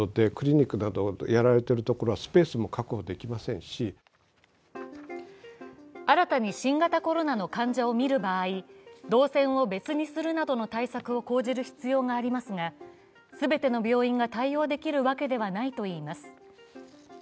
しかし専門家は新たに新型コロナの患者を診る場合、動線を別にするなどの対策を講じる必要がありますが、全ての病院が対応できるわけではないといいます。